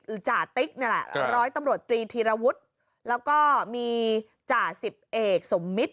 คือจ่าติ๊กนี่แหละร้อยตำรวจตรีธีรวุฒิแล้วก็มีจ่าสิบเอกสมมิตร